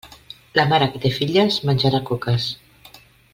La mare que té filles menjarà coques.